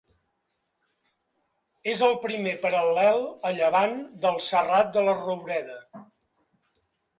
És el primer paral·lel a llevant del Serrat de la Roureda.